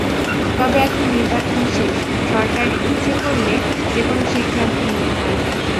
তবে এখন নির্বাচন শেষ, সরকার ইচ্ছে করলে যেকোনো সিদ্ধান্ত নিতে পারবে।